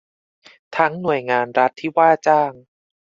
ทั้งหน่วยงานรัฐที่ว่าจ้าง